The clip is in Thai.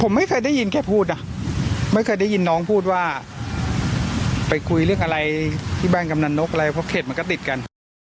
ผมไม่เคยได้ยินแค่พูดนะไม่เคยได้ยินน้องพูดว่าไปคุยเรื่องอะไรที่บ้านกำนันนกอะไรเพราะเขตมันก็ติดกัน